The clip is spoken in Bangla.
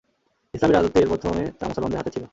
ইসলামী রাজত্বের প্রথমে তা মুসলমানদের হাতে ছিল।